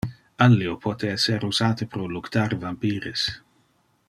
Allio pote esser usate pro luctar vampires.